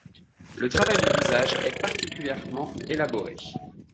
Le travail du visage est particulièrement élaboré.